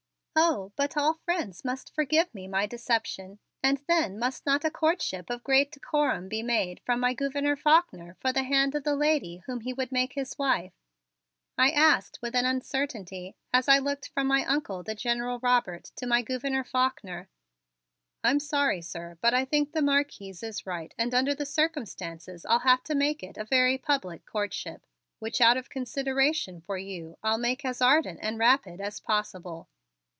"Oh, but all friends must forgive me my deception; and then must not a courtship of great decorum be made from my Gouverneur Faulkner for the hand of the lady whom he would make his wife?" I asked with an uncertainty as I looked from my Uncle, the General Robert, to my Gouverneur Faulkner. "I'm sorry, sir, but I think the Marquise is right and under the circumstances I'll have to make a very public courtship, which out of consideration for you I'll make as ardent and rapid as possible.